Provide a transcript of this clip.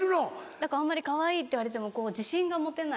だからあんまり「かわいい」って言われても自信が持てない。